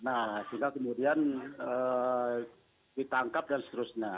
nah sehingga kemudian ditangkap dan seterusnya